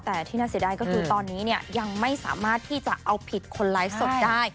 แต่ที่น่าเสียดายก็คือตอนนี้ยังไม่สามารถที่จะเอาผิดคนไลฟ์สดได้